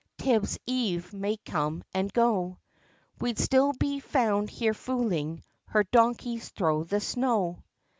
Tib's Eve might come, and go, We'd still be found here fooling her donkeys thro' the snow."